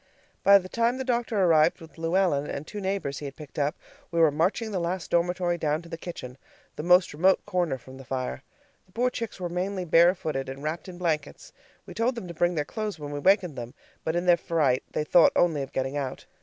By the time the doctor arrived with Luellen and two neighbors he had picked up, we were marching the last dormitory down to the kitchen, the most remote corner from the fire. The poor chicks were mainly barefooted and wrapped in blankets. We told them to bring their clothes when we wakened them, but in their fright they thought only of getting out.